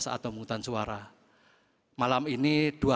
saat pembungutan suara malam ini dua